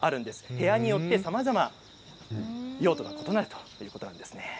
部屋によって、さまざま用途が異なるということなんですね。